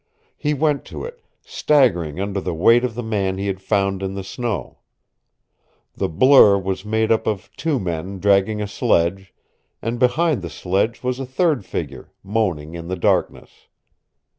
He went to it, staggering under the weight of the man he had found in the snow. The blur was made up of two men dragging a sledge, and behind the sledge was a third figure, moaning in the darkness.